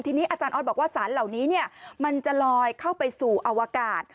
ทีนี้อาจารย์ออสบอกว่าสารเหล่านี้มันจะลอยเข้าไปสู่อวกาศ